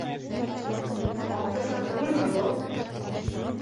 Таңдыса түгелме был?